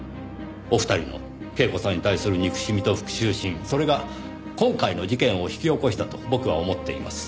お二人の恵子さんに対する憎しみと復讐心それが今回の事件を引き起こしたと僕は思っています。